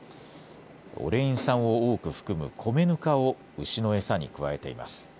オレイン酸を多く含む米ぬかを牛の餌に加えています。